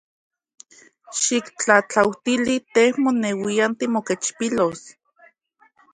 Xiktlajtlautili te moneuian timokechpilos.